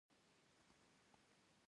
او نړۍ ته خیر ورسوي.